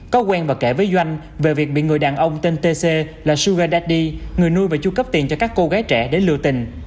có quen và kể với doanh về việc bị người đàn ông tên tc là sugar daddy người nuôi và chu cấp tiền cho các cô gái trẻ để lừa tình